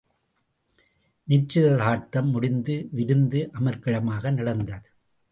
நிச்சயதார்த்தம் முடிந்து விருந்து அமர்க்களமாக நடந்தது.